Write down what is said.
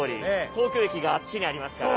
東京駅があっちにありますから。